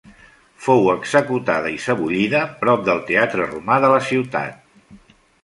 Fou executada i sebollida prop del teatre romà de la ciutat.